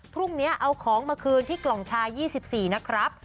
พรุ่งนี้เอาของมาคืนที่กล่องชา๒๔นะครับ